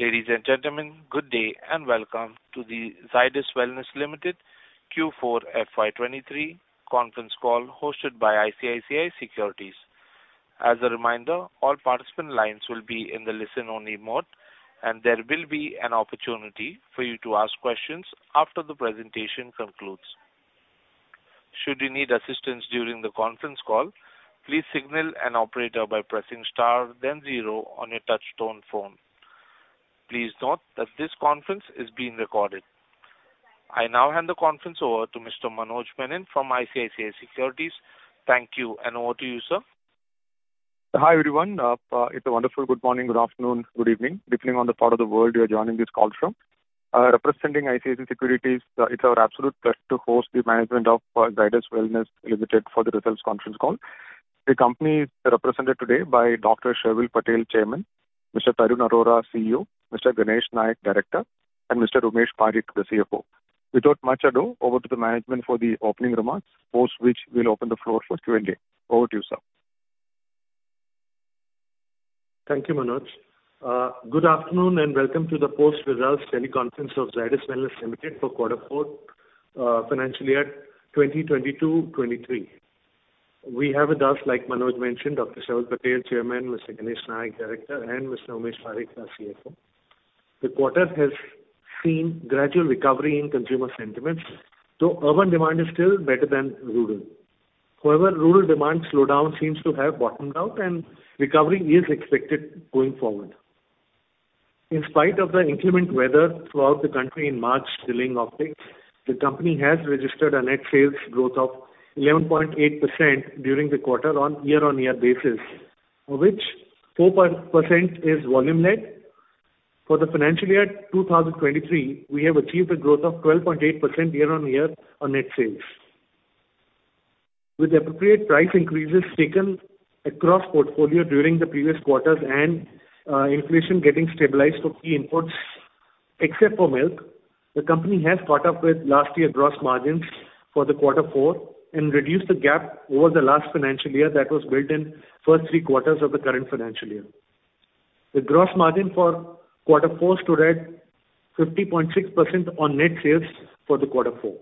Ladies and gentlemen, good day and welcome to the Zydus Wellness Limited Q4 FY23 conference call hosted by ICICI Securities. As a reminder, all participant lines will be in the listen-only mode, and there will be an opportunity for you to ask questions after the presentation concludes. Should you need assistance during the conference call, please signal an operator by pressing star then zero on your touchtone phone. Please note that this conference is being recorded. I now hand the conference over to Mr. Manoj Menon from ICICI Securities. Thank you, and over to you, sir. Hi, everyone. It's a wonderful good morning, good afternoon, good evening, depending on the part of the world you are joining this call from. Representing ICICI Securities, it's our absolute pleasure to host the management of Zydus Wellness Limited for the results conference call. The company is represented today by Dr. Sharvil Patel, Chairman; Mr. Tarun Arora, CEO; Mr. Ganesh Nayak, Director; and Mr. Umesh Parikh, the CFO. Without much ado, over to the management for the opening remarks, post which we'll open the floor for Q&A. Over to you, sir. Thank you, Manoj Menon. Good afternoon, and welcome to the post-results teleconference of Zydus Wellness Limited for Q4, financial year 2022-2023. We have with us, like Manoj Menon mentioned, Dr. Sharvil Patel, Chairman; Mr. Ganesh Nayak, Director; and Mr. Umesh Parikh, our CFO. The quarter has seen gradual recovery in consumer sentiments, though urban demand is still better than rural. However, rural demand slowdown seems to have bottomed out and recovery is expected going forward. In spite of the inclement weather throughout the country in March, chilling effect, the company has registered a net sales growth of 11.8% during the quarter on a year-on-year basis, of which 4% is volume-led. For the financial year 2023, we have achieved a growth of 12.8% year-on-year on net sales. With appropriate price increases taken across portfolio during the previous quarters and inflation getting stabilized for key inputs, except for milk, the company has caught up with last year gross margins for the quarter four and reduced the gap over the last financial year that was built in first 3 quarters of the current financial year. The gross margin for quarter four stood at 50.6% on net sales for the quarter four.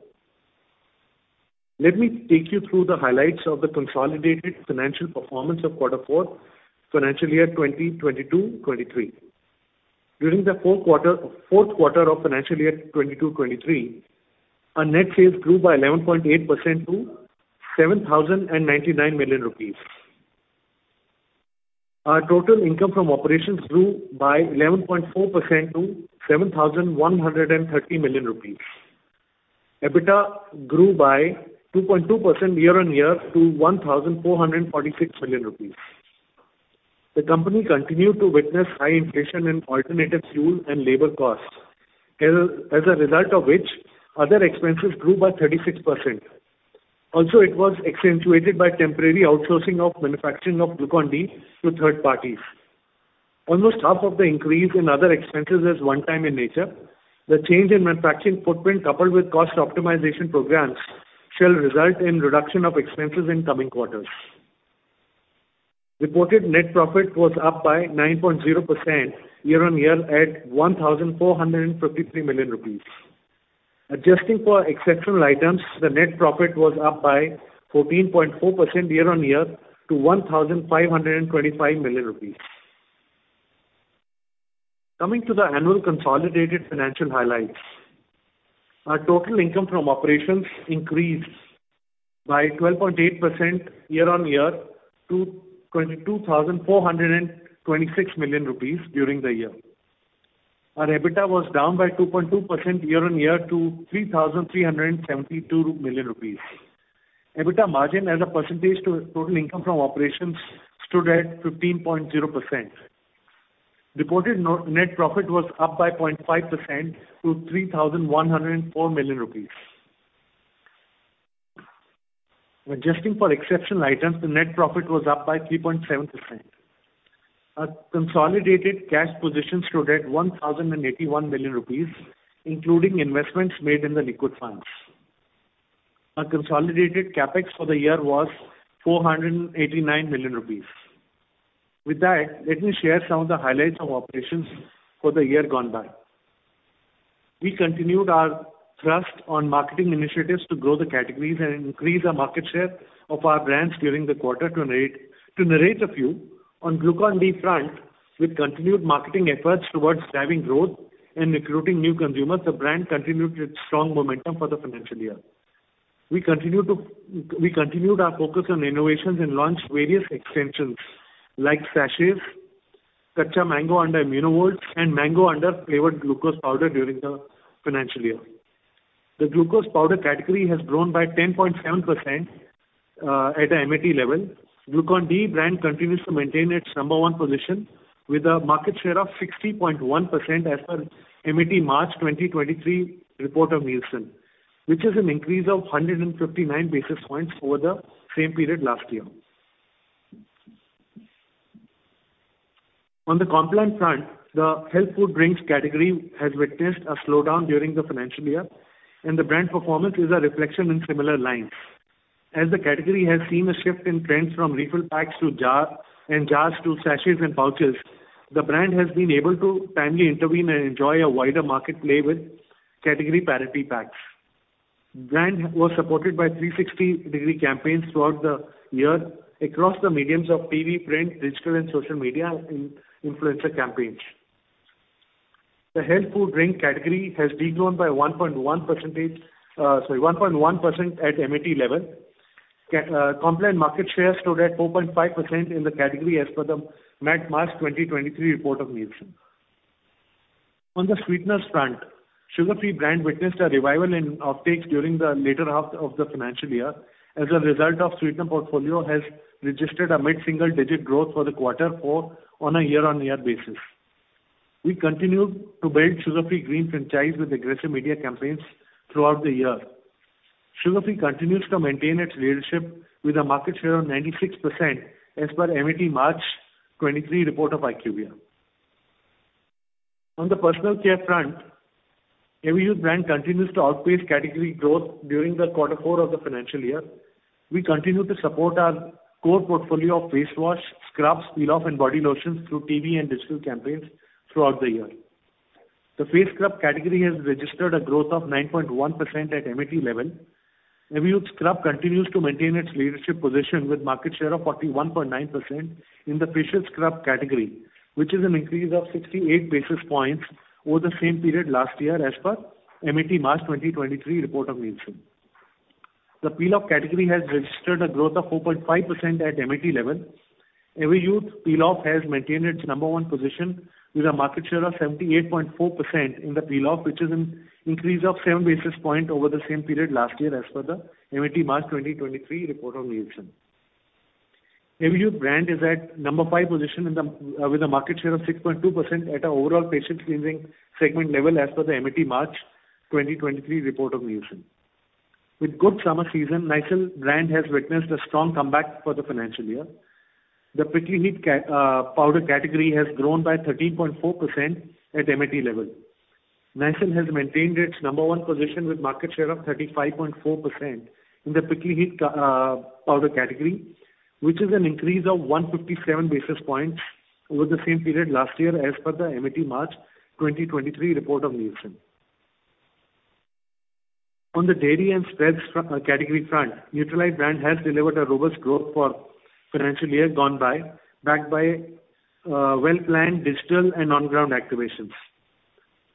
Let me take you through the highlights of the consolidated financial performance of quarter four, financial year 2022, 2023. During the fourth quarter of financial year 2022, 2023, our net sales grew by 11.8% to 7,099 million rupees. Our total income from operations grew by 11.4% to 7,130 million rupees. EBITDA grew by 2.2% year-on-year to 1,446 million rupees. The company continued to witness high inflation in alternative fuel and labor costs. As a result of which, other expenses grew by 36%. It was accentuated by temporary outsourcing of manufacturing of Glucon-D to third parties. Almost half of the increase in other expenses is one-time in nature. The change in manufacturing footprint, coupled with cost optimization programs, shall result in reduction of expenses in coming quarters. Reported net profit was up by 9.0% year-on-year at 1,453 million rupees. Adjusting for exceptional items, the net profit was up by 14.4% year-on-year to 1,525 million rupees. Coming to the annual consolidated financial highlights, our total income from operations increased by 12.8% year-on-year to 22,426 million rupees during the year. Our EBITDA was down by 2.2% year-on-year to 3,372 million rupees. EBITDA margin as a % to total income from operations stood at 15.0%. Reported net profit was up by 0.5% to 3,104 million rupees. Adjusting for exceptional items, the net profit was up by 3.7%. Our consolidated cash position stood at 1,081 million rupees, including investments made in the liquid funds. Our consolidated CapEx for the year was 489 million rupees. Let me share some of the highlights of operations for the year gone by. We continued our thrust on marketing initiatives to grow the categories and increase our market share of our brands during the quarter. To narrate a few, on Glucon-D front, with continued marketing efforts towards driving growth and recruiting new consumers, the brand continued its strong momentum for the financial year. We continued our focus on innovations and launched various extensions like sachets, Kaccha Mango under ImmunoVolt, and mango under flavored glucose powder during the financial year. The glucose powder category has grown by 10.7% at a MAT level. Glucon-D brand continues to maintain its number 1 position with a market share of 60.1% as per MAT March 2023 report of Nielsen, which is an increase of 159 basis points over the same period last year. On the Complan front, the health food drinks category has witnessed a slowdown during the financial year. The brand performance is a reflection in similar lines. As the category has seen a shift in trends from refill packs to jar, and jars to sachets and pouches, the brand has been able to timely intervene and enjoy a wider market play with category parity packs. Brand was supported by 360-degree campaigns throughout the year across the mediums of TV, print, digital and social media in influencer campaigns. The health food drink category has de-grown by 1.1% at MAT level. Complan market share stood at 4.5% in the category as per the MAT March 2023 report of Nielsen. On the sweeteners front, Sugar Free brand witnessed a revival in optics during the later half of the financial year as a result of sweetener portfolio has registered a mid-single digit growth for the quarter four on a year-over-year basis. We continue to build Sugar Free Green franchise with aggressive media campaigns throughout the year. Sugar Free continues to maintain its leadership with a market share of 96% as per MAT March 2023 report of IQVIA. On the personal care front, Everyuth brand continues to outpace category growth during the quarter four of the financial year. We continue to support our core portfolio of face wash, scrubs, peel-off and body lotions through TV and digital campaigns throughout the year. The face scrub category has registered a growth of 9.1% at MAT level. Everyuth scrub continues to maintain its leadership position with market share of 41.9% in the facial scrub category, which is an increase of 68 basis points over the same period last year as per MAT March 2023 report of Nielsen. The peel off category has registered a growth of 4.5% at MAT level. Everyuth peel off has maintained its number one position with a market share of 78.4% in the peel off, which is an increase of 7 basis point over the same period last year as per the MAT March 2023 report of Nielsen. Everyuth brand is at number five position in the with a market share of 6.2% at a overall facial cleansing segment level as per the MAT March 2023 report of Nielsen. With good summer season, Nycil brand has witnessed a strong comeback for the financial year. The prickly heat powder category has grown by 13.4% at MAT level. Nycil has maintained its number one position with market share of 35.4% in the prickly heat powder category, which is an increase of 157 basis points over the same period last year as per the MAT March 2023 report of Nielsen. On the dairy and spreads category front, Nutralite brand has delivered a robust growth for financial year gone by, backed by well-planned digital and on-ground activations.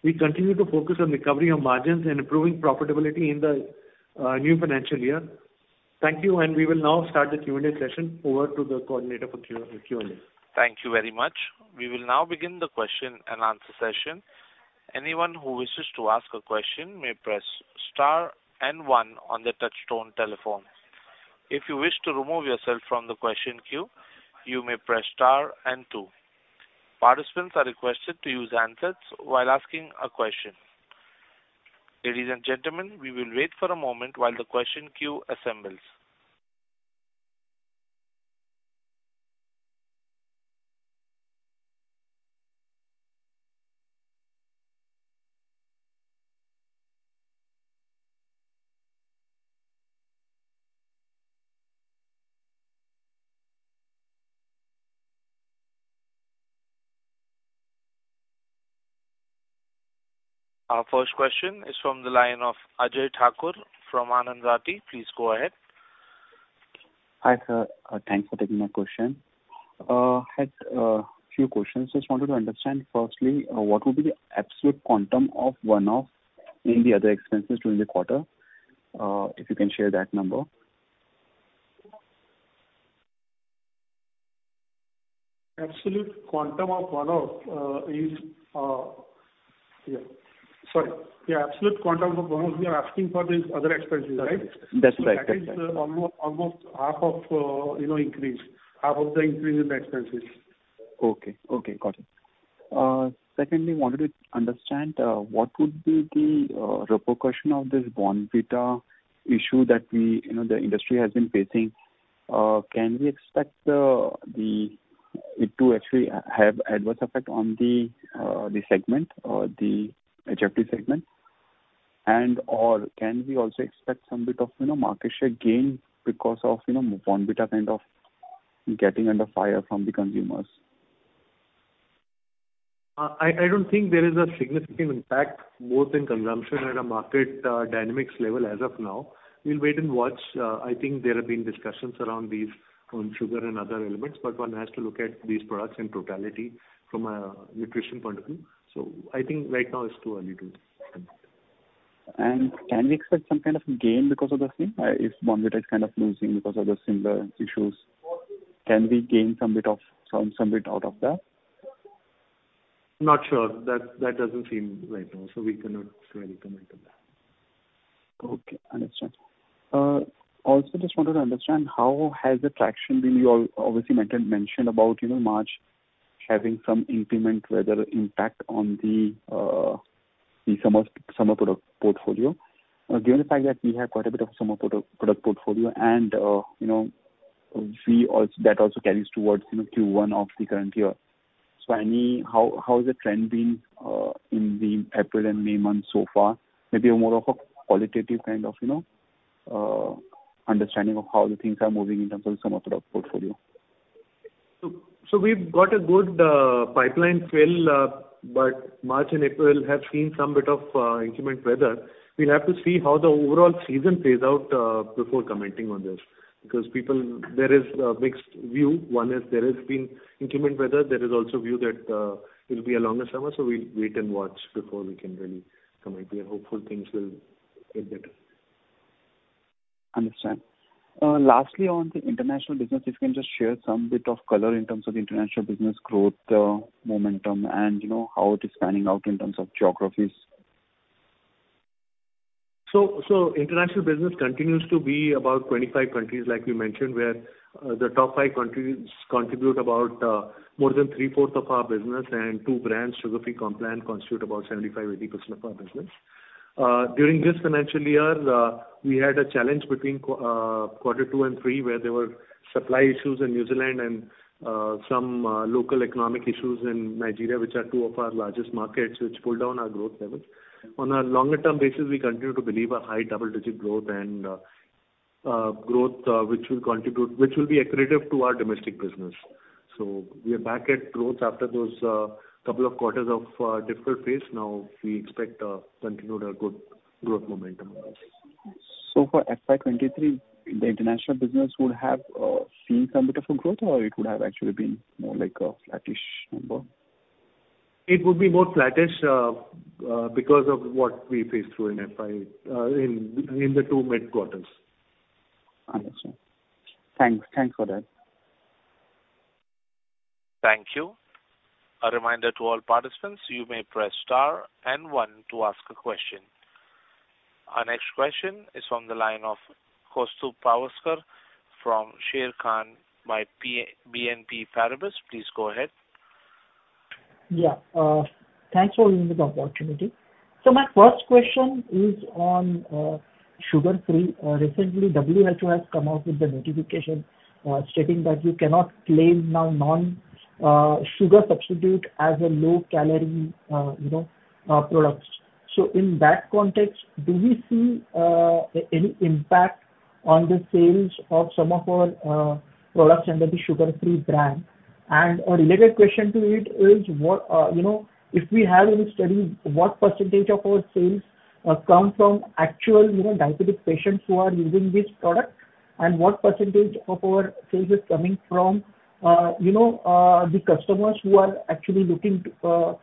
We continue to focus on recovery of margins and improving profitability in the new financial year. Thank you. We will now start the Q&A session. Over to the coordinator for Q&A. Thank you very much. We will now begin the question and answer session. Anyone who wishes to ask a question may press star and one on their touchtone telephone. If you wish to remove yourself from the question queue, you may press star and two. Participants are requested to use handsets while asking a question. Ladies and gentlemen, we will wait for a moment while the question queue assembles. Our first question is from the line of Ajay Thakur from Anand Rathi. Please go ahead. Hi, sir. Thanks for taking my question. Had a few questions. Just wanted to understand, firstly, what would be the absolute quantum of one-off in the other expenses during the quarter? If you can share that number? Absolute quantum of one-off, is, yeah. Sorry. Yeah, absolute quantum of one-off, you are asking for these other expenses, right? That's right. That is almost half of, you know, increase, half of the increase in the expenses. Okay. Okay. Got it. Secondly, wanted to understand what would be the repercussion of this Bournvita issue that we, you know, the industry has been facing. Can we expect it to actually have adverse effect on the segment or the HFD segment? Or can we also expect some bit of, you know, market share gain because of, you know, Bournvita kind of getting under fire from the consumers? I don't think there is a significant impact both in consumption and a market dynamics level as of now. We'll wait and watch. I think there have been discussions around these on sugar and other elements. One has to look at these products in totality from a nutrition point of view. I think right now it's too early to tell. Can we expect some kind of gain because of the same? If Bournvita is kind of losing because of the similar issues, can we gain some bit of, some bit out of that? Not sure. That doesn't seem right, no. We cannot really comment on that. Okay. Understand. Also just wanted to understand how has the traction been. You obviously mentioned about, you know, March having some inclement weather impact on the summer product portfolio. Given the fact that we have quite a bit of summer product portfolio and, you know, we that also carries towards, you know, Q1 of the current year. I mean, how is the trend been in the April and May months so far? Maybe more of a qualitative kind of, you know, understanding of how the things are moving in terms of some of the portfolio. We've got a good pipeline fill, but March and April have seen some bit of inclement weather. We'll have to see how the overall season plays out before commenting on this. People, there is a mixed view. One is there has been inclement weather. There is also view that it'll be a longer summer. We'll wait and watch before we can really comment. We are hopeful things will get better. Understand. Lastly, on the international business, if you can just share some bit of color in terms of international business growth, momentum, and, you know, how it is panning out in terms of geographies? International business continues to be about 25 countries like we mentioned, where the top five countries contribute about more than 1/4 of our business, and two brands, Sugar Free, Complan, constitute about 75%-80% of our business. During this financial year, we had a challenge between quarter 2 and 3, where there were supply issues in New Zealand and some local economic issues in Nigeria, which are two of our largest markets, which pulled down our growth levels. On a longer term basis, we continue to believe a high double-digit growth and growth which will contribute which will be accretive to our domestic business. We are back at growth after those couple of quarters of difficult phase. Now we expect continued or good growth momentum. For FY 2023, the international business would have seen some bit of a growth or it would have actually been more like a flattish number? It would be more flattish, because of what we faced through in FY, in the 2 mid quarters. Understand. Thanks. Thanks for that. Thank you. A reminder to all participants, you may press star and one to ask a question. Our next question is from the line of Kaustubh Pawaskar from Sharekhan by BNP Paribas. Please go ahead. Yeah, thanks for giving me the opportunity. My first question is on Sugar Free. Recently, WHO has come out with a notification stating that you cannot claim now non-sugar substitute as a low-calorie, you know, products. In that context, do we see any impact on the sales of some of our products under the Sugar Free brand? A related question to it is what, you know, if we have any study, what percentage of our sales come from actual, you know, diabetic patients who are using this product? What percentage of our sales is coming from, you know, the customers who are actually looking to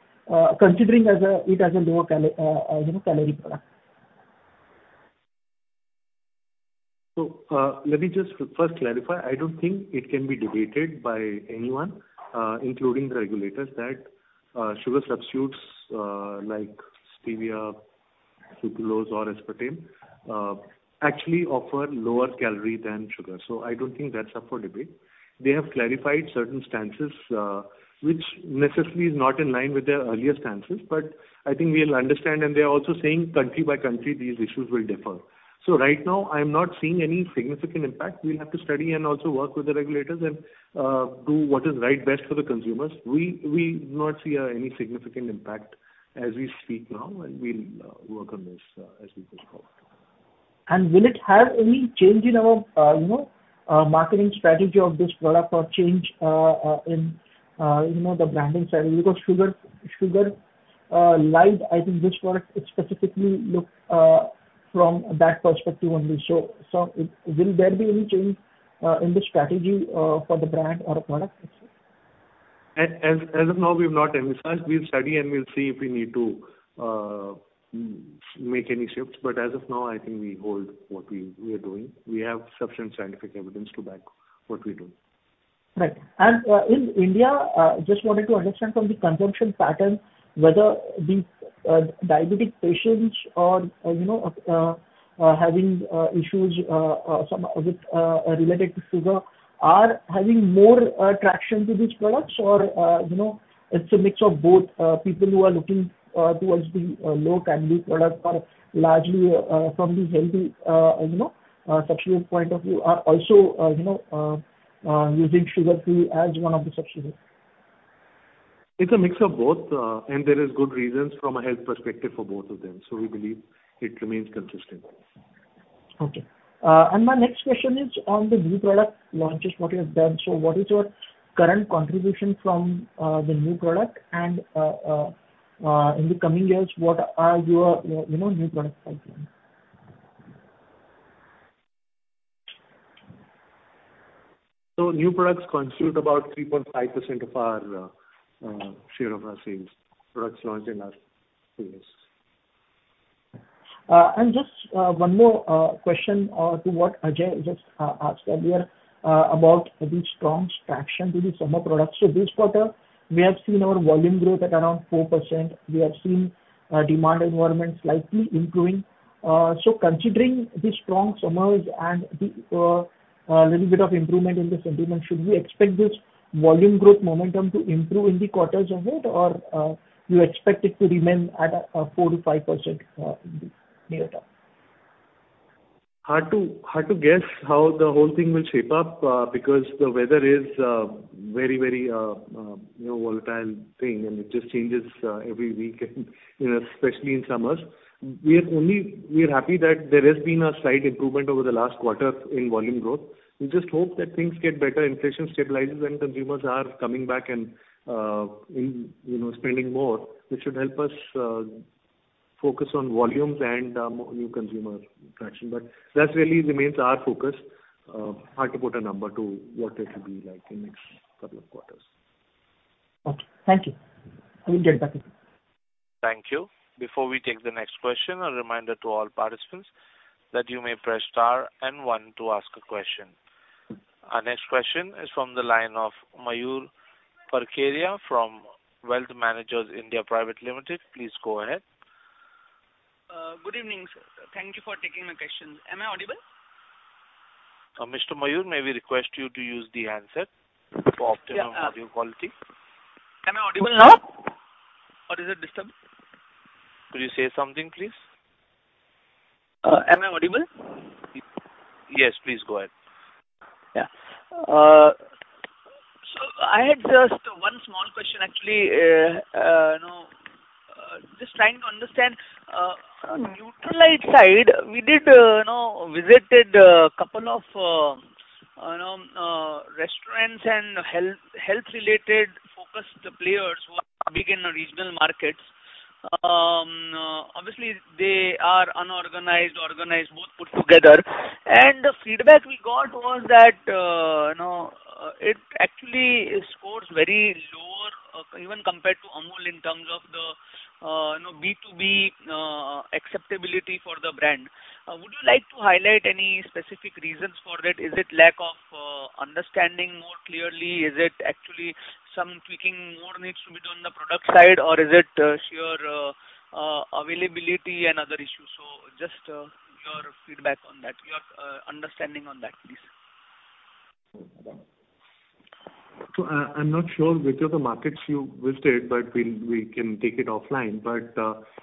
considering it as a lower, you know, calorie product? Let me just first clarify. I don't think it can be debated by anyone, including the regulators, that sugar substitutes, like stevia, sucralose or aspartame, actually offer lower calorie than sugar. I don't think that's up for debate. They have clarified certain stances, which necessarily is not in line with their earlier stances, but I think we'll understand, and they are also saying country by country, these issues will differ. Right now I'm not seeing any significant impact. We'll have to study and also work with the regulators and do what is right best for the consumers. We do not see any significant impact as we speak now, and we'll work on this as we just talked. Will it have any change in our, you know, marketing strategy of this product or change in, you know, the branding strategy? Sugarlite, I think this product is specifically look from that perspective only. Will there be any change in the strategy for the brand or product mix? As of now, we've not emphasized. We'll study and we'll see if we need to make any shifts. As of now, I think we hold what we are doing. We have sufficient scientific evidence to back what we're doing. Right. In India, just wanted to understand from the consumption pattern whether these diabetic patients or, you know, having issues some with related to sugar, are having more attraction to these products or, you know, it's a mix of both, people who are looking towards the low-calorie products are largely from the healthy, you know, substitute point of view are also, you know, using Sugar Free as one of the substitutes. It's a mix of both, and there is good reasons from a health perspective for both of them. We believe it remains consistent. Okay. My next question is on the new product launches, what you have done. What is your current contribution from the new product? In the coming years, what are your, you know, new product pipelines? New products constitute about 3.5% of our share of our sales, products launched in last 2 years. Just one more question to what Ajay just asked earlier about the strong traction to the summer products. This quarter, we have seen our volume growth at around 4%. We have seen demand environment slightly improving. Considering the strong summers and the little bit of improvement in the sentiment, should we expect this volume growth momentum to improve in the quarters ahead or you expect it to remain at 4%-5% in the near term? Hard to guess how the whole thing will shape up, because the weather is very, you know, volatile thing, and it just changes every week, you know, especially in summers. We are happy that there has been a slight improvement over the last quarter in volume growth. We just hope that things get better, inflation stabilizes, and consumers are coming back and, you know, spending more. This should help us focus on volumes and new consumer traction. That really remains our focus. Hard to put a number to what that should be like in the next couple of quarters. Okay. Thank you. I will get back. Thank you. Before we take the next question, a reminder to all participants that you may press star and one to ask a question. Our next question is from the line of Mayur Parkeria from Wealth Managers India Private Limited. Please go ahead. good evening, sir. Thank you for taking my question. Am I audible? Mr. Mayur, may we request you to use the handset for optimum audio quality. Am I audible now? Or is it disturbed? Could you say something, please? Am I audible? Yes, please go ahead. Yeah. I had just one small question, actually. you know, just trying to understand. From Nutralite side, we did, you know, visited a couple of, you know, restaurants and health related focused players who are big in the regional markets. Obviously they are unorganized, organized, both put together. The feedback we got was that, you know, it actually scores very lower, even compared to Amul in terms of the, you know, B2B acceptability for the brand. Would you like to highlight any specific reasons for that? Is it lack of understanding more clearly? Is it actually some tweaking more needs to be done on the product side, or is it your availability and other issues? Just your feedback on that, your understanding on that, please. I'm not sure which of the markets you visited, but we'll, we can take it offline.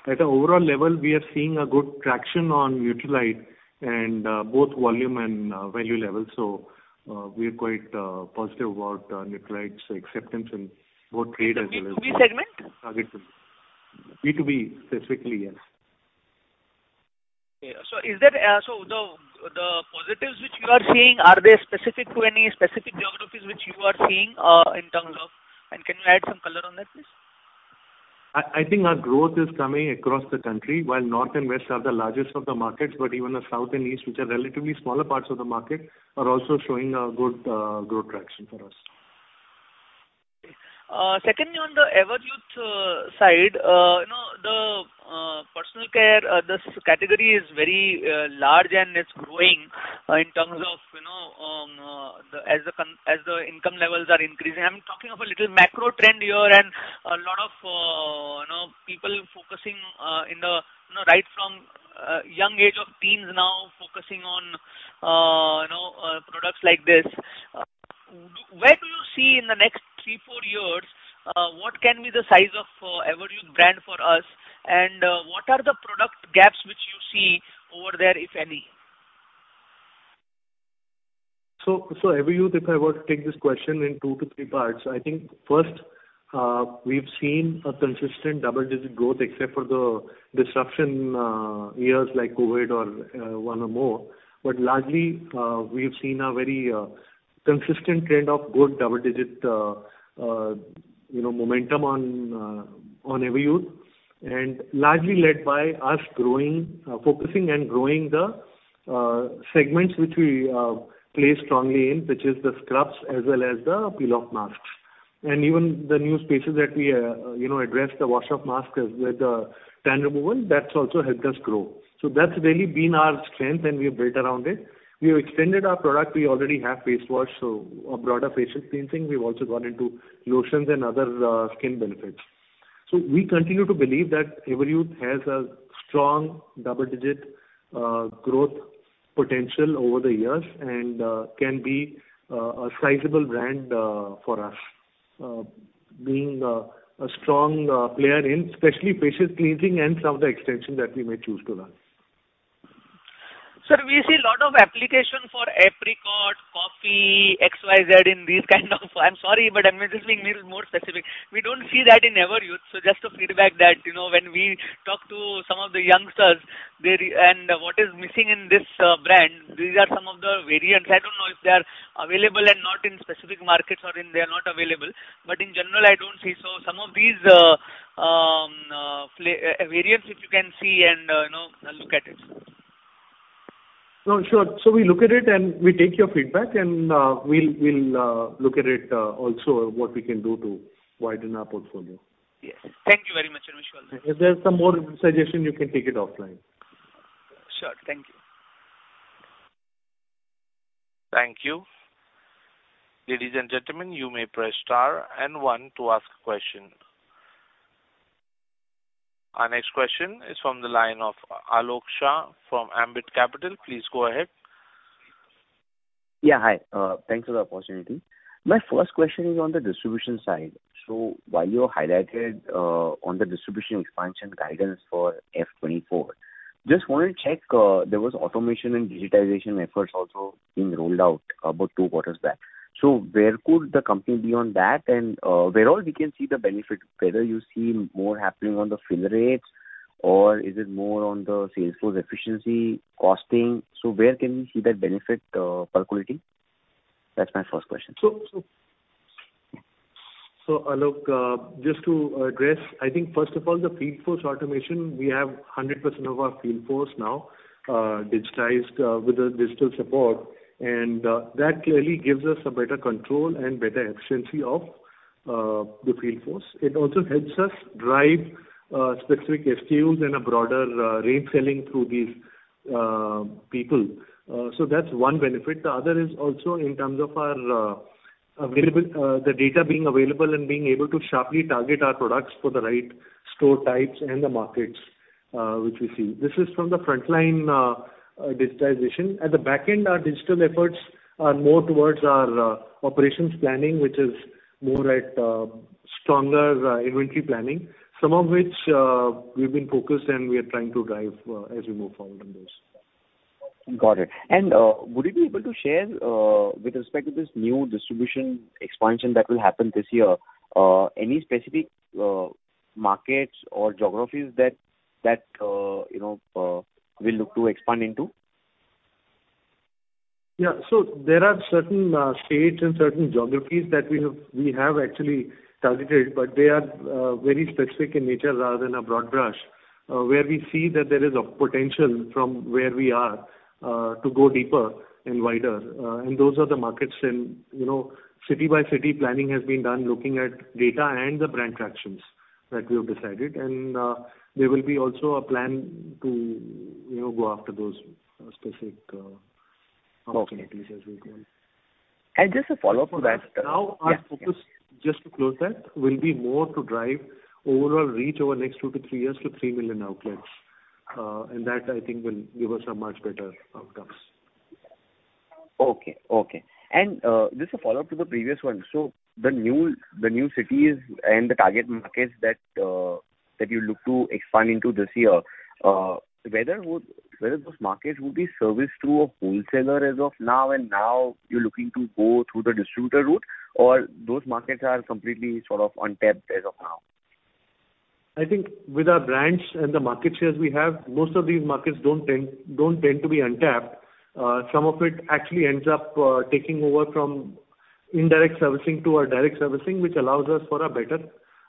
At an overall level, we are seeing a good traction on Nutralite and both volume and value level. We are quite positive about Nutralite's acceptance and both trade as well as. B2B segment? B2B specifically, yes. The positives which you are seeing, are they specific to any specific geographies which you are seeing, in terms of? Can you add some color on that, please? I think our growth is coming across the country. While North and West are the largest of the markets, but even the South and East, which are relatively smaller parts of the market, are also showing a good growth traction for us. Secondly, on the Everyuth side, you know, the personal care, this category is very large and it's growing in terms of, you know, the, as the income levels are increasing. I'm talking of a little macro trend here and a lot of, you know, people focusing in the, you know, right from young age of teens now focusing on, you know, products like this. Where do you see in the next 3, 4 years, what can be the size of Everyuth brand for us? What are the product gaps which you see over there, if any? Everyuth, if I were to take this question in two to three parts, I think first, we've seen a consistent double-digit growth except for the disruption, years like COVID or one or more. Largely, we have seen a very consistent trend of good double-digit, you know, momentum on Everyuth. Largely led by us growing, focusing and growing the segments which we play strongly in, which is the scrubs as well as the peel-off masks. Even the new spaces that we, you know, address the wash-off mask as with the tan removal, that's also helped us grow. That's really been our strength, and we have built around it. We have extended our product. We already have face wash, so a broader facial cleansing. We've also got into lotions and other skin benefits. We continue to believe that Everyuth has a strong double-digit growth potential over the years and can be a sizable brand for us, being a strong player in especially facial cleansing and some of the extension that we may choose to run. Sir, we see a lot of application for apricot, coffee, XYZ in these kind of... I'm sorry, I'm just being little more specific. We don't see that in Everyuth. Just a feedback that, you know, when we talk to some of the youngsters, they and what is missing in this brand, these are some of the variants. I don't know if they are available and not in specific markets or in they are not available, in general, I don't see. Some of these variants if you can see and, you know, look at it. No, sure. We look at it and we take your feedback and, we'll look at it, also what we can do to widen our portfolio. Yes. Thank you very much, Anish. If there's some more suggestion, you can take it offline. Sure. Thank you. Thank you. Ladies and gentlemen, you may press star and one to ask a question. Our next question is from the line of Alok Shah from Ambit Capital. Please go ahead. Yeah, hi. Thanks for the opportunity. My first question is on the distribution side. While you highlighted on the distribution expansion guidance for F24, just want to check, there was automation and digitization efforts also being rolled out about 2 quarters back. Where could the company be on that? Where all we can see the benefit, whether you see more happening on the fill rates or is it more on the sales force efficiency costing. Where can we see that benefit percolating? That's my first question. Alok, just to address, I think first of all, the field force automation, we have 100% of our field force now digitized with the digital support, and that clearly gives us a better control and better efficiency of the field force. It also helps us drive specific SKUs and a broader range selling through these people. That's one benefit. The other is also in terms of our available data being available and being able to sharply target our products for the right store types and the markets which we see. This is from the frontline digitization. At the back end, our digital efforts are more towards our operations planning, which is more at stronger inventory planning, some of which we've been focused and we are trying to drive as we move forward on those. Got it. Would you be able to share with respect to this new distribution expansion that will happen this year, any specific markets or geographies that, you know, we look to expand into? Yeah. There are certain states and certain geographies that we have actually targeted, but they are very specific in nature rather than a broad brush, where we see that there is a potential from where we are to go deeper and wider. Those are the markets and, you know, city by city planning has been done looking at data and the brand tractions that we have decided. There will be also a plan to, you know, go after those specific opportunities as we go. Just a follow-up to that. Now our focus, just to close that, will be more to drive overall reach over next two to three years to 3 million outlets. That I think will give us a much better outcomes. Okay. Okay. Just a follow-up to the previous one. The new cities and the target markets that you look to expand into this year, whether those markets would be serviced through a wholesaler as of now and now you're looking to go through the distributor route or those markets are completely sort of untapped as of now? I think with our brands and the market shares we have, most of these markets don't tend to be untapped. Some of it actually ends up taking over from indirect servicing to our direct servicing, which allows us for a better,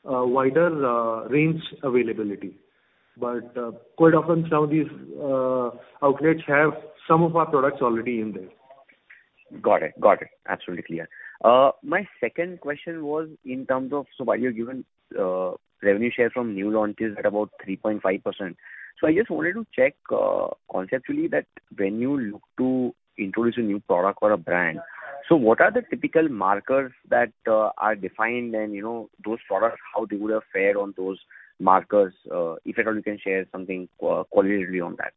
wider, range availability. Quite often some of these outlets have some of our products already in there. Got it. Absolutely clear. My second question was in terms of, while you're given revenue share from new launches at about 3.5%. I just wanted to check conceptually that when you look to introduce a new product or a brand, what are the typical markers that are defined and, you know, those products, how they would have fared on those markers? If at all you can share something qualitatively on that.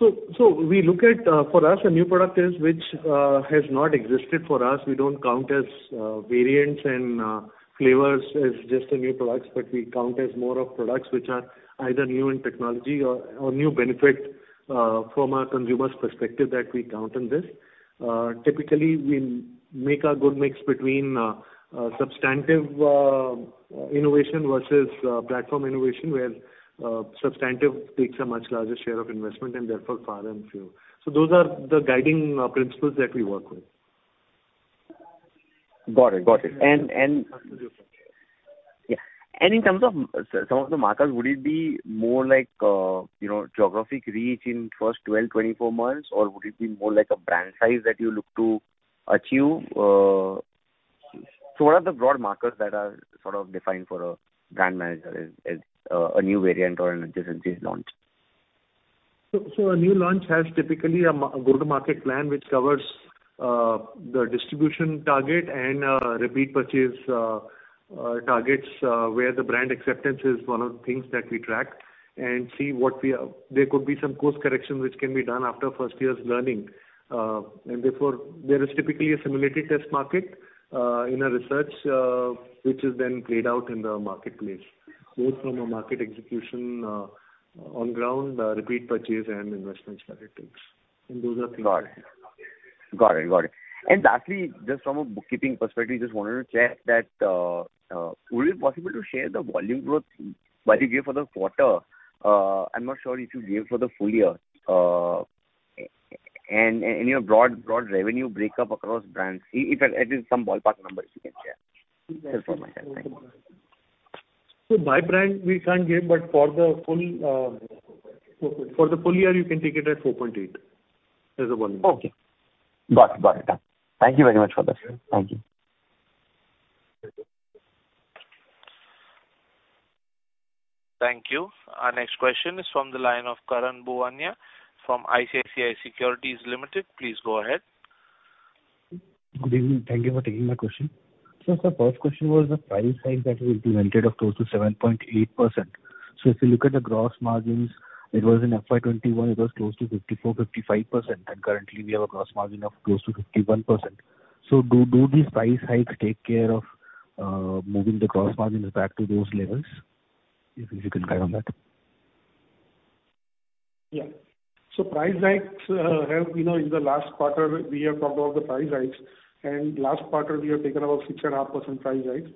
We look at, for us a new product is which has not existed for us. We don't count as variants and flavors as just a new products, but we count as more of products which are either new in technology or new benefit from a consumer's perspective that we count in this. Typically we make a good mix between substantive innovation versus platform innovation, where substantive takes a much larger share of investment and therefore far and few. Those are the guiding principles that we work with. Got it. Got it. Absolutely. Yeah. In terms of some of the markers, would it be more like, you know, geographic reach in first 12, 24 months, or would it be more like a brand size that you look to achieve? What are the broad markers that are sort of defined for a brand manager as a new variant or an adjacent case launch? A new launch has typically a go-to-market plan which covers the distribution target and repeat purchase targets, where the brand acceptance is one of the things that we track and see what we, there could be some course correction which can be done after first year's learning. Therefore, there is typically a similarity test market in a research which is then played out in the marketplace, both from a market execution on ground, repeat purchase and investments that it takes. Those are things. Got it. Got it, got it. Lastly, just from a bookkeeping perspective, just wanted to check that, would it be possible to share the volume growth, but you gave for the quarter? I'm not sure if you gave for the full year. Your broad revenue breakup across brands, if at least some ballpark numbers you can share just for my sake. Thank you. By brand we can't give, but for the full, for the full year, you can take it at 4.8 as a volume. Okay. Got it. Got it. Thank you very much for this. Thank you. Thank you. Our next question is from the line of Karan Bhuwania from ICICI Securities Limited. Please go ahead. Good evening. Thank you for taking my question. Sir, first question was the price hike that you implemented of close to 7.8%. If you look at the gross margins, it was in FY 2021, it was close to 54%-55%, and currently we have a gross margin of close to 51%. Do these price hikes take care of moving the gross margins back to those levels? If you can guide on that. Yeah. Price hikes, you know, in the last quarter we have talked about the price hikes, and last quarter we have taken about 6.5% price hikes.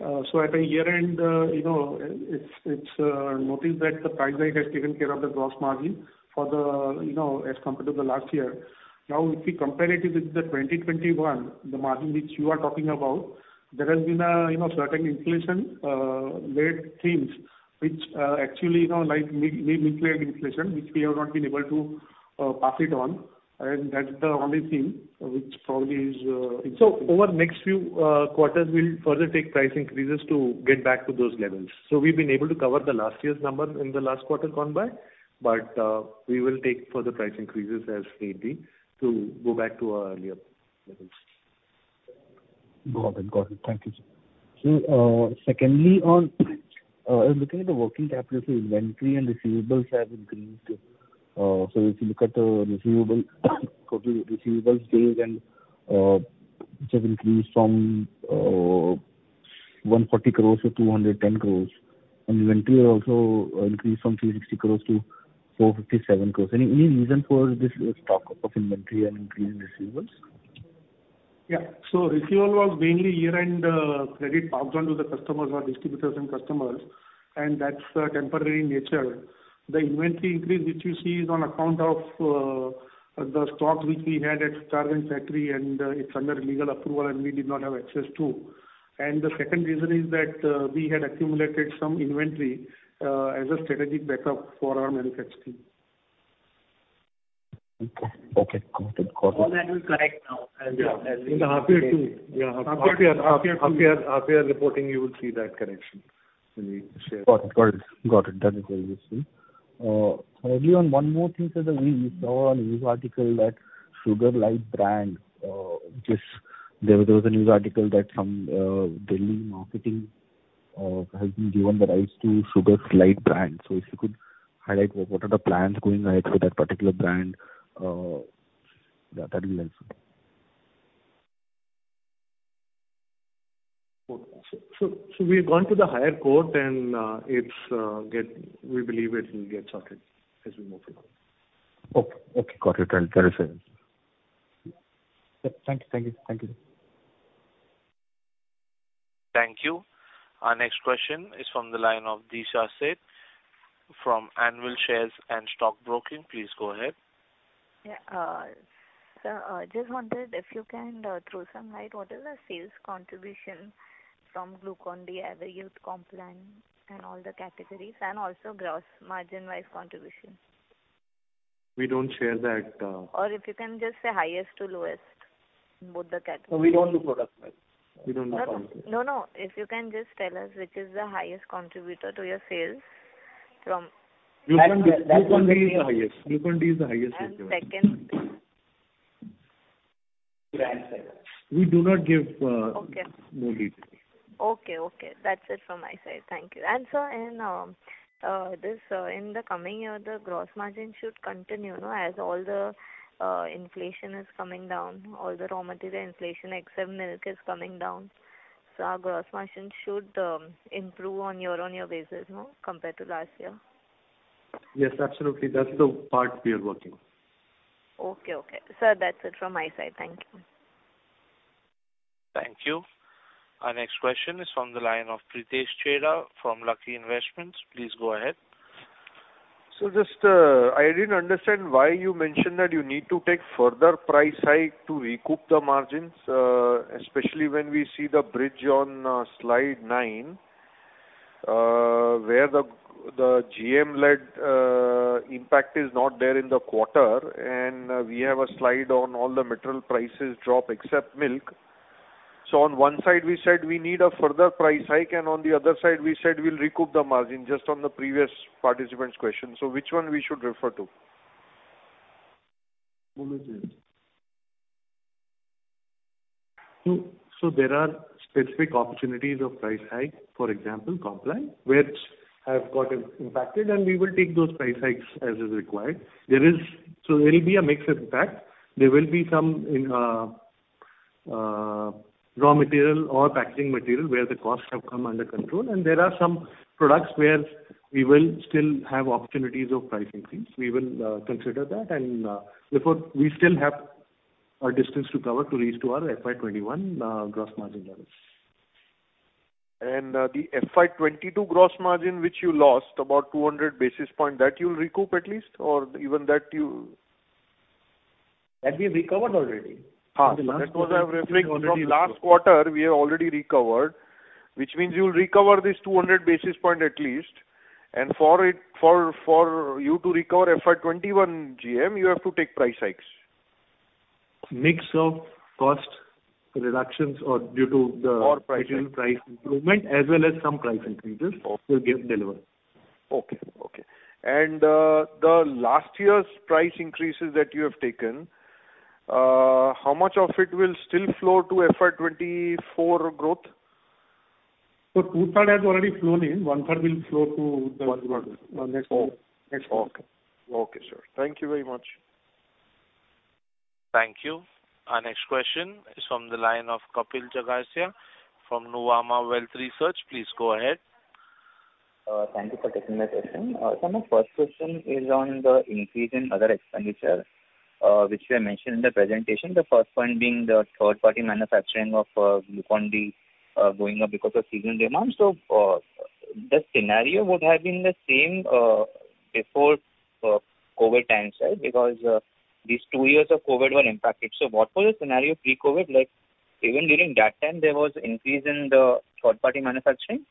At a year-end, you know, it's noticed that the price hike has taken care of the gross margin for the, you know, as compared to the last year. Now, if we compare it with the 2021, the margin which you are talking about, there has been a, you know, certain inflation led themes which actually, you know, like nuclear inflation, which we have not been able to pass it on, that's the only thing which probably is impacting. Over the next few quarters we'll further take price increases to get back to those levels. We've been able to cover the last year's number in the last quarter gone by, but we will take further price increases as needed to go back to our earlier levels. Got it. Thank you, sir. Secondly on looking at the working capital inventory and receivables have increased. If you look at the receivable, total receivables change and which have increased from 140 crores to 210 crores, and inventory also increased from 360 crores to 457 crores. Any reason for this stock of inventory and increase in receivables? Receivable was mainly year-end, credit passed on to the customers or distributors and customers, and that's temporary in nature. The inventory increase which you see is on account of the stocks which we had at Sitarganj factory and it's under legal approval and we did not have access to. The second reason is that we had accumulated some inventory as a strategic backup for our manufacturing. Okay. Okay. Got it. Got it. All that will correct now. Yeah. In the half year 2. Yeah. Half year reporting you will see that correction when we share. Got it. That is very useful. Finally on one more thing, sir. We saw a news article that Sugarlite brand, which is... There was a news article that some Delhi marketing has been given the rights to Sugarlite brand. If you could highlight what are the plans going ahead for that particular brand, yeah, that'll be helpful. We've gone to the higher court and We believe it will get sorted as we move along. Okay. Okay. Got it. That is helpful. Thank you. Thank you. Thank you. Thank you. Our next question is from the line of Urmil Shah from Anvil Share and Stock Broking. Please go ahead. Sir, I just wondered if you can throw some light what is the sales contribution from Glucon-D as Everyuth Complan and all the categories, and also gross margin-wise contribution? We don't share that. If you can just say highest to lowest, both the categories? We don't do product wise. No, no. If you can just tell us which is the highest contributor to your sales from- Glucon-D is the highest contributor. Second? We do not give. Okay. More detail. Okay. Okay. That's it from my side. Thank you. Sir, this in the coming year, the gross margin should continue, no? As all the inflation is coming down, all the raw material inflation except milk is coming down. Our gross margin should improve on year-on-year basis, no? Compared to last year. Yes, absolutely. That's the part we are working on. Okay. Okay. Sir, that's it from my side. Thank you. Thank you. Our next question is from the line of Pritesh Chheda from Lucky Investments. Please go ahead. Just, I didn't understand why you mentioned that you need to take further price hike to recoup the margins, especially when we see the bridge on slide nine, where the GM-led impact is not there in the quarter, and we have a slide on all the material prices drop except milk. On one side we said we need a further price hike, and on the other side we said we'll recoup the margin just on the previous participant's question. Which one we should refer to? There are specific opportunities of price hike, for example, Complan, which have got impacted, and we will take those price hikes as is required. There will be a mix impact. There will be some raw material or packaging material where the costs have come under control, and there are some products where we will still have opportunities of price increase. We will consider that and, therefore, we still have a distance to cover to reach to our FY 21 gross margin levels. The FY 22 gross margin which you lost about 200 basis point, that you'll recoup at least or even that you-. That we recovered already. Ha. That was I referring from last quarter we have already recovered, which means you'll recover this 200 basis points at least, and for it, for you to recover FY 2021 GM, you have to take price hikes. Mix of cost reductions or due to. Pricing. price improvement as well as some price increases will get delivered. Okay, okay. The last year's price increases that you have taken, how much of it will still flow to FY 24 growth? Two-third has already flown in. One-third will flow to the next one. Okay, sir. Thank you very much. Thank you. Our next question is from the line of Kapil Jagasia from Nuvama Wealth Research. Please go ahead. Thank you for taking my question. Sir, my first question is on the increase in other expenditure, which you have mentioned in the presentation. The first point being the third-party manufacturing of Glucon-D, going up because of seasonal demand. The scenario would have been the same before COVID times, right? Because these two years of COVID were impacted. What was the scenario pre-COVID like? Even during that time there was increase in the third-party manufacturing.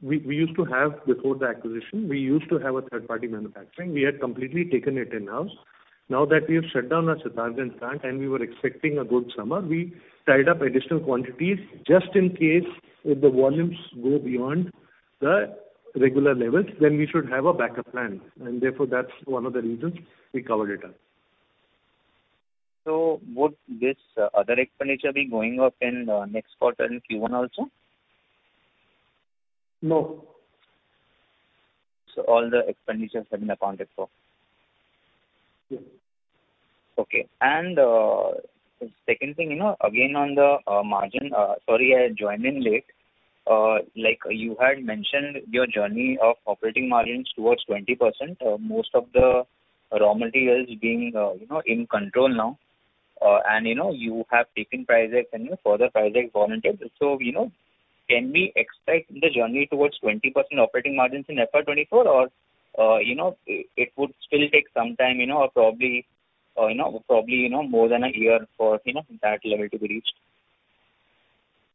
We used to have before the acquisition, we used to have a third-party manufacturing. We had completely taken it in-house. Now that we have shut down our Sitarganj plant and we were expecting a good summer, we tied up additional quantities just in case if the volumes go beyond the regular levels, then we should have a backup plan. Therefore, that's one of the reasons we covered it up. Would this other expenditure be going up in next quarter in Q1 also? No. All the expenditures have been accounted for. Yes. Okay. Second thing, you know, again, on the margin. Sorry, I joined in late. Like you had mentioned your journey of operating margins towards 20%, most of the raw materials being, you know, in control now. And you know, you have taken price hike and you further price hike warranted. Can we expect the journey towards 20% operating margins in FY 2024 or, you know, it would still take some time, you know, or probably, you know, probably, you know, more than a year for, you know, that level to be reached?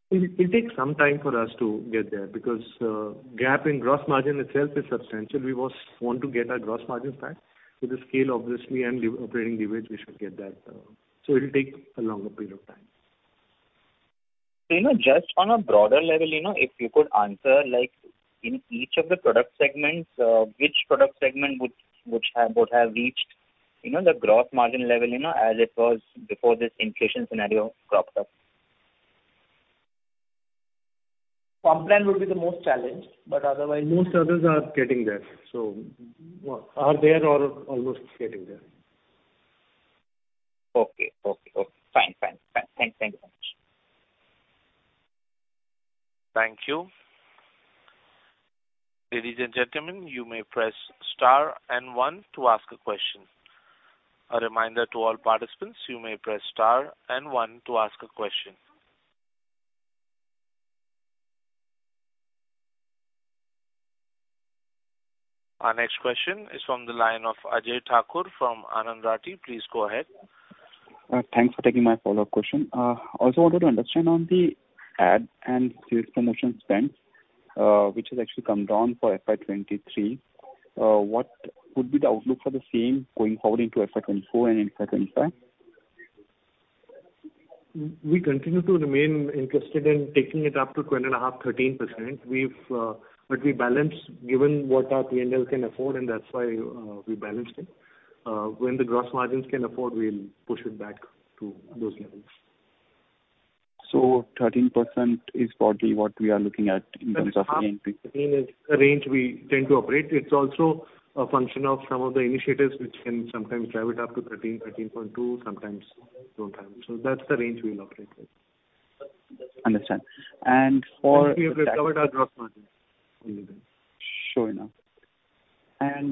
It takes some time for us to get there because, gap in gross margin itself is substantial. We want to get our gross margins back. With the scale obviously and the operating leverage, we should get that. It'll take a longer period of time. You know, just on a broader level, you know, if you could answer like in each of the product segments, which product segment would have reached, you know, the gross margin level, you know, as it was before this inflation scenario cropped up? Complan would be the most challenged, but otherwise most others are getting there. Are there or almost getting there. Okay. Okay. Okay. Fine. Fine. Fine. Thank you very much. Thank you. Ladies and gentlemen, you may press star and one to ask a question. A reminder to all participants, you may press star and one to ask a question. Our next question is from the line of Ajay Thakur from Anand Rathi. Please go ahead. Thanks for taking my follow-up question. Also wanted to understand on the ad and sales promotion spend, which has actually come down for FY 23. What would be the outlook for the same going forward into FY 24 and in FY 25? We continue to remain interested in taking it up to 10.5%, 13%. We balance given what our PNL can afford, and that's why, we balance it. When the gross margins can afford, we'll push it back to those levels. 13% is broadly what we are looking at in terms of. That's half. I mean, it's a range we tend to operate. It's also a function of some of the initiatives which can sometimes drive it up to 13%, 13.2%, sometimes don't have. That's the range we'll operate with. Understand. Once we have recovered our gross margin. Sure enough.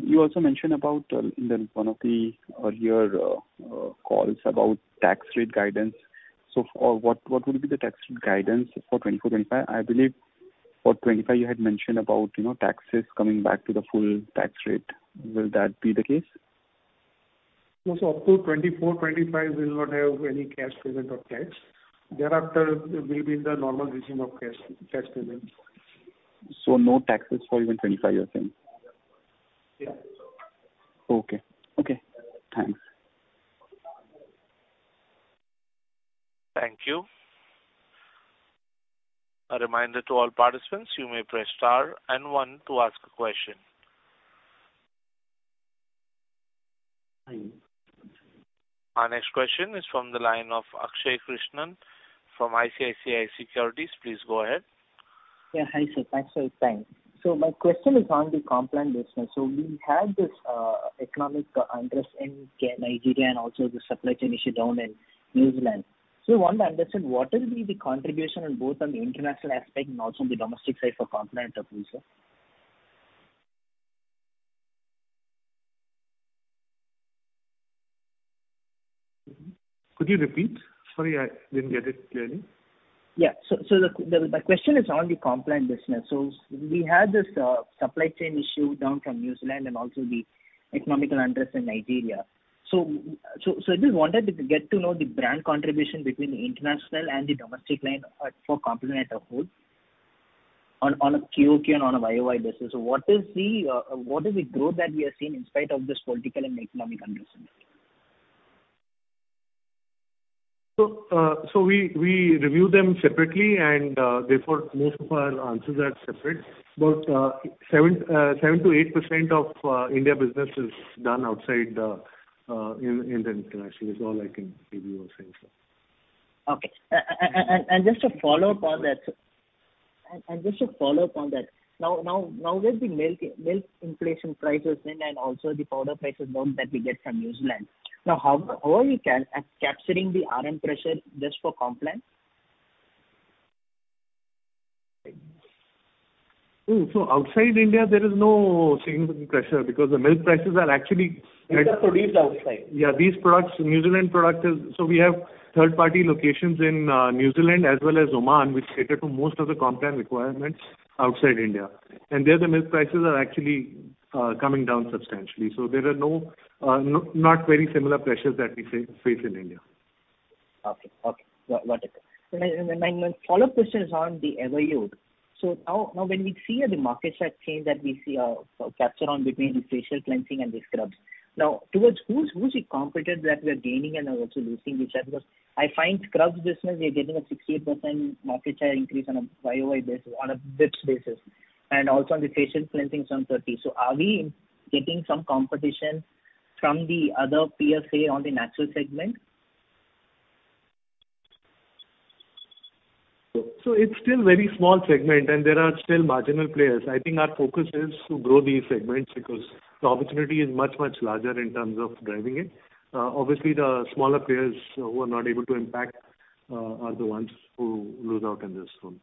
You also mentioned about in the one of the earlier calls about tax rate guidance. For what would be the tax rate guidance for 2024, 2025? I believe for 2025 you had mentioned about, you know, taxes coming back to the full tax rate. Will that be the case? No. Up to 2024, 2025 we will not have any cash payment of tax. Thereafter, we'll be in the normal regime of cash payment. no taxes for even 25 you are saying? Yeah. Okay. Okay. Thanks. Thank you. A reminder to all participants, you may press star and one to ask a question. Hi. Our next question is from the line of Akshay Krishnan from ICICI Securities. Please go ahead. Yeah. Hi, sir. Thanks for your time. My question is on the Complan business. We had this economic unrest in Nigeria and also the supply chain issue down in New Zealand. I want to understand what will be the contribution on both on the international aspect and also on the domestic side for Complan enterprise, sir. Could you repeat? Sorry, I didn't get it clearly. The question is on the Complan business. We had this supply chain issue down from New Zealand and also the economical unrest in Nigeria. I just wanted to get to know the brand contribution between the international and the domestic line for Complan as a whole. On a quarter-over-quarter and on a year-over-year basis, what is the growth that we are seeing in spite of this political and economic uncertainty? We review them separately and therefore most of our answers are separate. 7% to 8% of India business is done outside in the international. Is all I can give you on same, sir. Okay. Just a follow-up on that. Now with the milk inflation prices and then also the powder prices down that we get from New Zealand, now how are you capturing the RM pressure just for Complan? Outside India there is no significant pressure because the milk prices are actually. Which are produced outside. Yeah, these products, New Zealand product is. We have third party locations in New Zealand as well as Oman, which cater to most of the Complan requirements outside India. There the milk prices are actually coming down substantially. There are no, not very similar pressures that we face in India. Okay. Got it. My follow-up question is on the Everyuth. Now, when we see the market share change that we see, captured on between the facial cleansing and the scrubs. Now, towards who's the competitor that we are gaining and are also losing because I find scrubs business we are getting a 68% market share increase on a YOY basis, on a bps basis, and also on the facial cleansing some 30. Are we getting some competition from the other PSA on the natural segment? It's still very small segment and there are still marginal players. I think our focus is to grow these segments because the opportunity is much larger in terms of driving it. Obviously, the smaller players who are not able to impact are the ones who lose out in this one.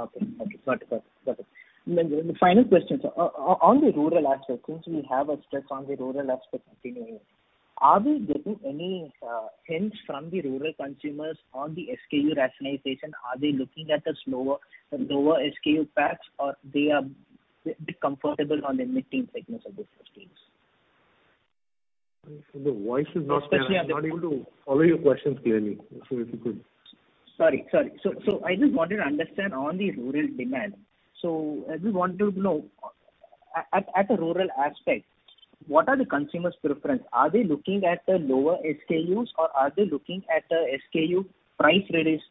Okay. Got it. The final question, sir. On the rural aspect, since we have a stress on the rural aspect continuing, are we getting any hints from the rural consumers on the SKU rationalization? Are they looking at the slower, the lower SKU packs or they are bit comfortable on the mid-tier thickness of the SKUs? The voice is not clear. Especially at the-. I'm not able to follow your questions clearly. if you could... Sorry. I just wanted to understand on the rural demand. I just want to know at a rural aspect, what are the consumers' preference? Are they looking at the lower SKUs or are they looking at the SKU price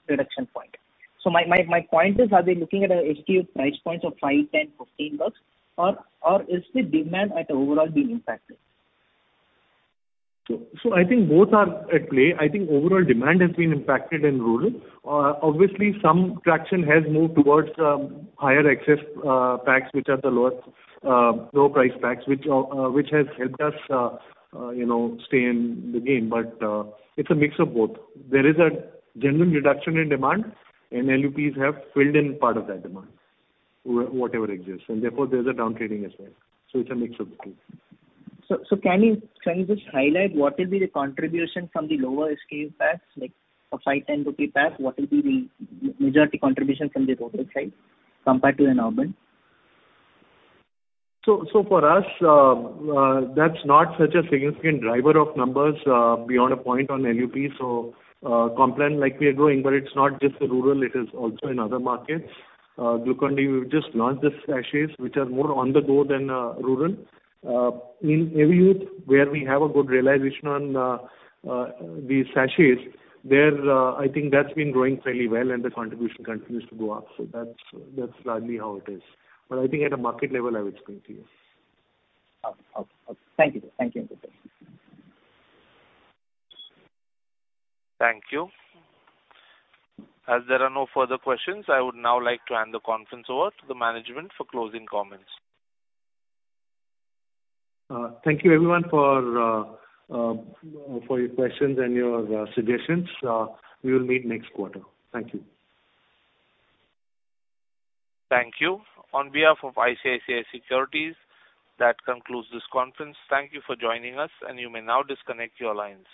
reduction point? My point is, are they looking at a SKU price point of 5, 10, INR 15 or is the demand at overall being impacted? I think both are at play. I think overall demand has been impacted in rural. Obviously some traction has moved towards higher access packs, which are the lower lower priced packs, which has helped us, you know, stay in the game. It's a mix of both. There is a general reduction in demand, LUPs have filled in part of that demand, whatever exists. Therefore there's a down trading as well. It's a mix of the two. Can you just highlight what will be the contribution from the lower SKU packs, like a 5, 10 rupee pack? What will be the majority contribution from the rural side compared to an urban? For us, that's not such a significant driver of numbers beyond a point on LUP. Complan, like we are growing, but it's not just the rural, it is also in other markets. Glucon-D, we've just launched the sachets, which are more on the go than rural. In Everyuth where we have a good realization on the sachets, there, I think that's been growing fairly well, and the contribution continues to go up. That's largely how it is. I think at a market level, I would say it's confused. Okay. Thank you. Thank you. As there are no further questions, I would now like to hand the conference over to the management for closing comments. Thank you everyone for your questions and your suggestions. We will meet next quarter. Thank you. Thank you. On behalf of ICICI Securities, that concludes this conference. Thank you for joining us. You may now disconnect your lines.